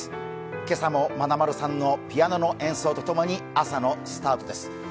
今朝もまなまるさんのピアノの演奏とともに朝のスタートです。